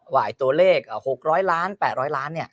ว่าตัวเลข๖๐๐ล้าน๘๐๐ล้าน